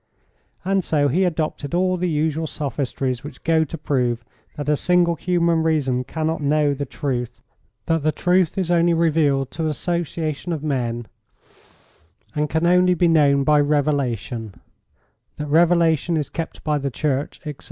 And so he adopted all the usual sophistries which go to prove that a single human reason cannot know the truth, that the truth is only revealed to an association of men, and can only be known by revelation, that revelation is kept by the church, etc.